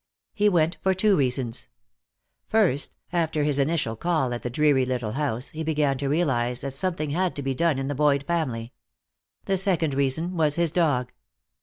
He went for two reasons. First, after his initial call at the dreary little house, he began to realize that something had to be done in the Boyd family. The second reason was his dog.